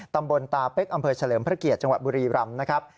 ตำบลตาเป๊กอำเภอเฉลิมพระเกียรติจังหวัดบุรีรำนะครับ